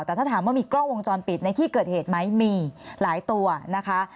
แต่ถ้าถามว่ามีกล้องวงจรปิดในที่เกิดเหตุไหมมีหลายตัวนะคะ